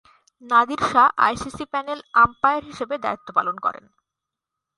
Nadir Shah ICC panel umpire হিসেবে দ্বায়িত্ব পালন করেন।